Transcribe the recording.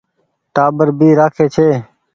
ٽآٻر ڀي رآکي ڇي۔